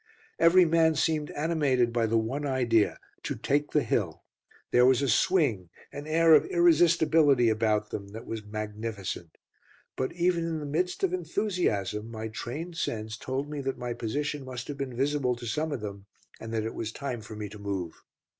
Every man seemed animated by the one idea to take the hill. There was a swing, an air of irresistibility about them that was magnificent. But even in the midst of enthusiasm my trained sense told me that my position must have been visible to some of them, and that it was time for me to move.